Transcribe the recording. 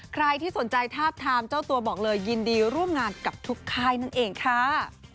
ใครที่สนใจทาบทามเจ้าตัวบอกเลยยินดีร่วมงานกับทุกค่ายนั่นเองค่ะ